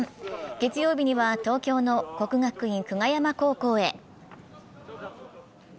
月曜日には東京の国学院久我山高校へ。